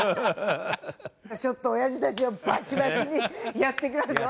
ちょっとおやじたちをバッチバチにやっていきますよ。